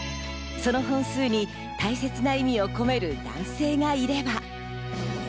その本数に大切な意味を込める男性がいれば。